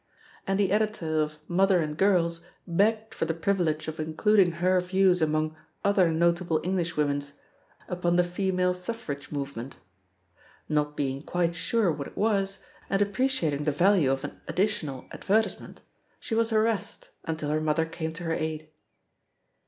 *'* And the Editor of Mother And Girls begged for the privilege of including her views among "other notable Englishwomen's" upon the Fe male Suffrage movement. Not being quite sure what it was, and appreciating the value of an additional advertisement, she was harassed, un* til her mother came to her aid.